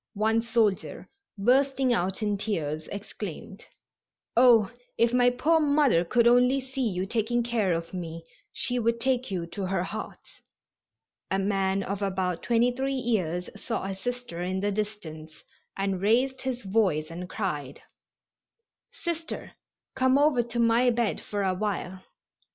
One soldier, bursting out in tears, exclaimed: "Oh, if my poor mother could only see you taking care of me she would take you to her heart." A man of about 23 years saw a Sister in the distance and raised his voice and cried: "Sister, come over to my bed for awhile."